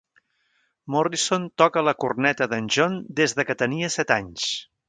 Morrisson toca la corneta d'en John des de que tenia set anys.